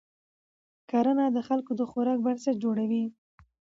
کرنه د خلکو د خوراک بنسټ جوړوي